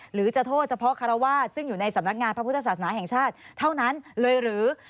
หรือจะโทษเฉพาะคารวาสซึ่งอยู่ในสำนักงานพระพุทธศาสนาแห่งชาติเท่านั้นเลยหรือ